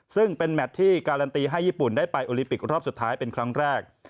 ซึ่งเป็นแมทที่การันตีให้ญี่ปุ่นได้ไปโอลิปิกรอบสุดท้ายเป็นครั้งแรก